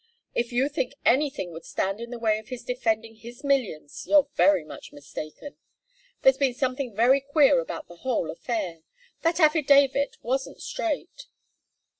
If you think anything would stand in the way of his defending his millions, you're very much mistaken. There's been something very queer about the whole affair. That affidavit wasn't straight."